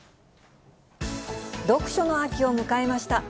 読書の秋を迎えました。